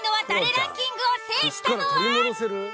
ランキングを制したのは。